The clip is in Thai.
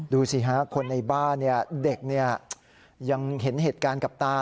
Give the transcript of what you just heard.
ดูสิฮะคนในบ้านเด็กยังเห็นเหตุการณ์กับตา